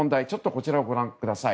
こちらをご覧ください。